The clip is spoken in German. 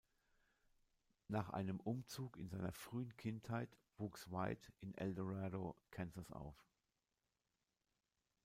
Nach einem Umzug in seiner frühen Kindheit wuchs White in El Dorado, Kansas, auf.